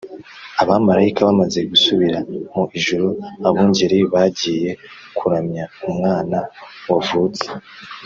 Abamarayika bamaze gusubira mu ijuru abungeri bagiye kuramya umwana wavutse